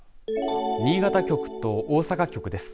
新潟局と大阪局です。